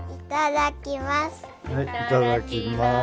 いただきます。